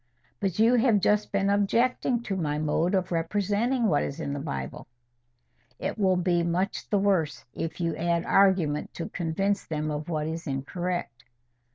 "But you have just been objecting to my mode of representing what is in the Bible." "It will be so much the worse, if you add argument to convince them of what is incorrect."